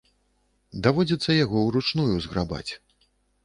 Даводзіцца яго ўручную зграбаць.